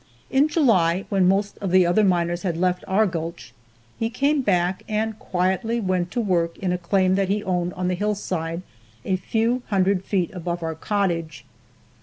In July, when most of the other miners had left our gulch, he came back and quietly went to work in a claim that he owned on the hillside a few hundred feet above our cottage.